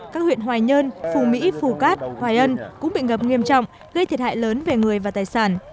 các huyện hoài nhơn phùng mỹ phù cát hoài ân cũng bị ngập nghiêm trọng gây thiệt hại lớn về người và tài sản